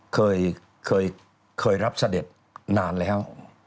เคยรับเสด็จนานแล้ว